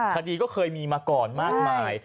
คดีก็เคยมีมาก่อนมากมาย